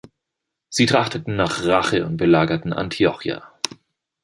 Sie trachteten nach Rache und belagerten Antiochia.